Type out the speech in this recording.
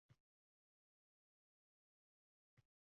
— Ha, namoyish uchun saqlayapman.